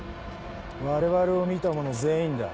我々を見た者全員だ。